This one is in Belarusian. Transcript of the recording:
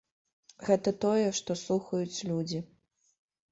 Гэта тое, што слухаюць людзі.